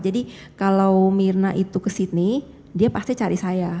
jadi kalau mirna itu ke sydney dia pasti cari saya